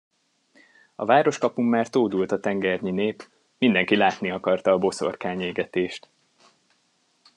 A városkapun már tódult a tengernyi nép: mindenki látni akarta a boszorkányégetést.